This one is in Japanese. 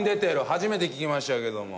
初めて聞きましたけども。